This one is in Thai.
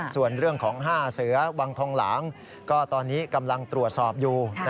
ส่วนเรื่องของ๕เสือวังทองหลางก็ตอนนี้กำลังตรวจสอบอยู่